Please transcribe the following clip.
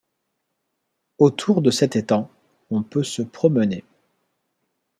Autour de cet étang, on peut se promener.